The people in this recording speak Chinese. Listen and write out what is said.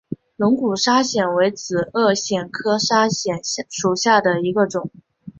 龙骨砂藓为紫萼藓科砂藓属下的一个种。